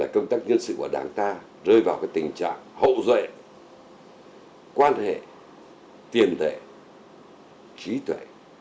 công tác nhân sự của đảng ta rơi vào tình trạng hậu duệ quan hệ tiền tệ trí tuệ